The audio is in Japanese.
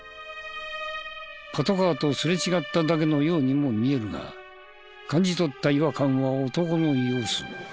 パトカーとすれ違っただけのようにも見えるが感じ取った違和感は男の様子。